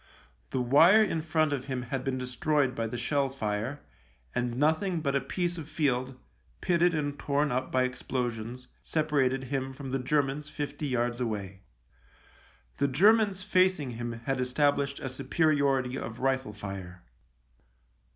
The wire in front of him had been destroyed by the shell fire, and nothing but a piece of field, pitted and torn up by explosions, separated him from the Germans fifty yards away. The Germans facing him had established a superiority of rifle fire.